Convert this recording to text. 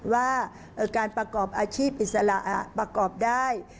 ว่าการประกอบอาชีพอิสระประกอบได้